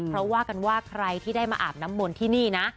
เพราะว่ากันว่าใครที่ได้มาอาบน้ำมนต์ที่นี่นะ